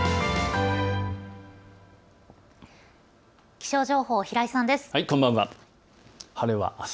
気象情報、平井さんです。